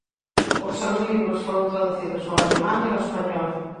Os seus libros foron traducidos ao alemán e ao español.